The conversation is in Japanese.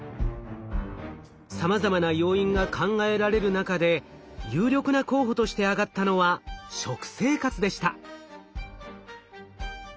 さまざまな要因が考えられる中で有力な候補として挙がったのは食生活でした。